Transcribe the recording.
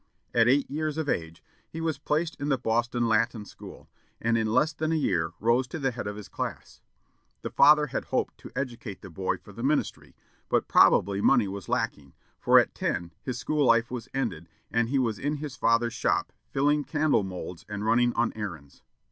At eight years of age, he was placed in the Boston Latin School, and in less than a year rose to the head of his class. The father had hoped to educate the boy for the ministry, but probably money was lacking, for at ten his school life was ended, and he was in his father's shop filling candle moulds and running on errands.